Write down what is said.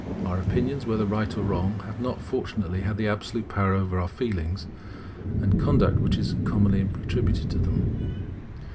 Our opinions, whether right or wrong, have not, fortunately, the absolute power over our feelings and conduct which is commonly attributed to them.